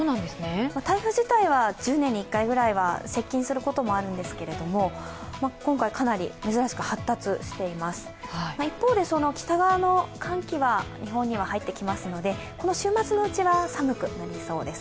台風自体は１０年に一回ぐらいは接近することはあるんですけど、今回、かなり珍しく発達しています一方で、その北側の寒気は日本に入ってきますので、この週末のうちは寒くなりそうです。